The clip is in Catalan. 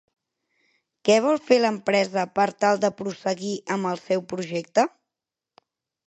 Què vol fer l'empresa per tal de prosseguir amb el seu projecte?